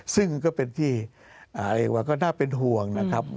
ซึ่งก็เป็นที่น่าเป็นห่วง